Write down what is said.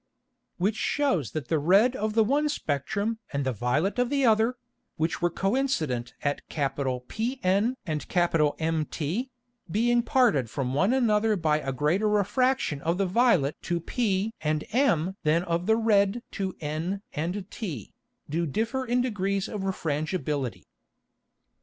Which shews that the red of the one Spectrum and violet of the other, which were co incident at PN and MT, being parted from one another by a greater Refraction of the violet to p and m than of the red to n and t, do differ in degrees of Refrangibility.